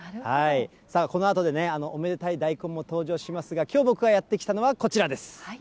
さあ、このあとでね、おめでたい大根も登場しますが、きょう僕がやって来たのはこちらです。